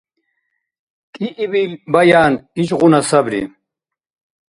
КӀиибил баян ишгъуна сабри.